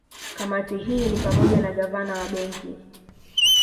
Kamati hii ni pamoja na Gavana wa Benki